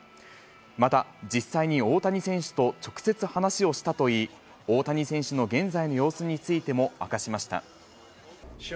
また、実際に大谷選手と直接話をしたといい、大谷選手の現在の様子についても明かしました。